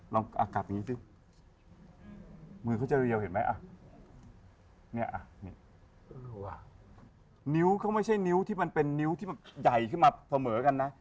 นี่อะนิ้วเขาไม่ใช่นิ้วที่มันเป็นนิ้วที่มันใหญ่ขึ้นมาพอเหมือนกันนะ